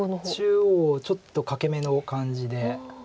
中央ちょっと欠け眼の感じで。